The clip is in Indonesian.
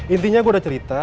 intinya gue udah cerita